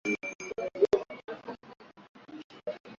na inatathmini uwezekano huo wa kuomba msaada